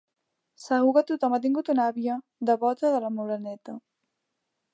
Segur que tothom ha tingut una àvia devota de la “Moreneta”.